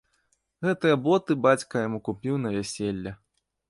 Гэтыя боты бацька яму купіў на вяселле.